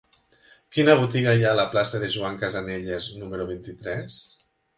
Quina botiga hi ha a la plaça de Joan Casanelles número vint-i-tres?